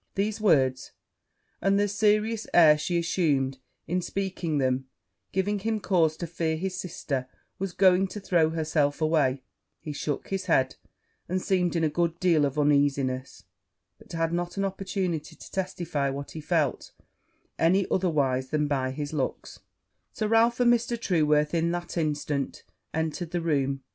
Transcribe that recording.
These words, and the serious air she assumed in speaking them, giving him cause to fear his sister was going to throw herself away, he shook his head, and seemed in a good deal of uneasiness; but had not an opportunity to testify what he felt any otherwise than by his looks; Sir Ralph and Mr. Trueworth in that instant entering the room.